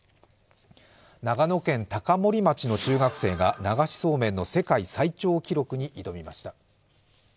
長野県高森町の中学生が流しそうめんの世界最長記録に挑みました。